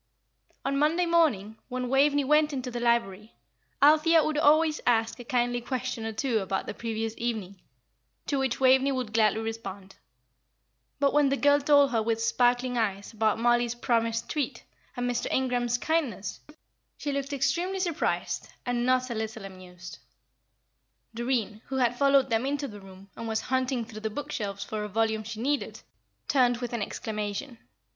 On Monday morning, when Waveney went into the library, Althea would always ask a kindly question or two about the previous evening, to which Waveney would gladly respond. But when the girl told her, with sparkling eyes, about Mollie's promised treat, and Mr. Ingram's kindness, she looked extremely surprised, and not a little amused. Doreen, who had followed them into the room, and was hunting through the book shelves for a volume she needed, turned with an exclamation.